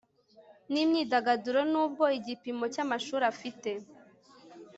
n imyidagaduro nubwo igipimo cy amashuri afite